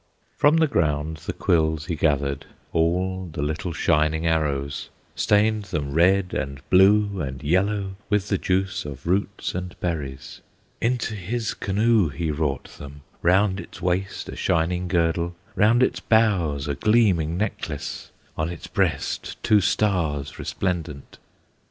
From the ground the quills he gathered, All the little shining arrows, Stained them red and blue and yellow, With the juice of roots and berries; Into his canoe he wrought them, Round its waist a shining girdle, Round its bows a gleaming necklace, On its breast two stars resplendent.